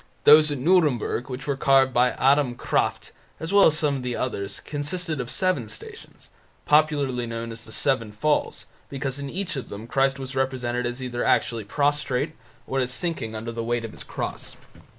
Those at Nuremburg, which were carved by Adam Krafft, as well as some of the others, consisted of seven Stations, popularly known as "the Seven Falls", because in each of them Christ was represented either as actually prostrate or as sinking under the weight of His cross.